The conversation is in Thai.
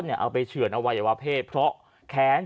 ชาวบ้านญาติโปรดแค้นไปดูภาพบรรยากาศขณะ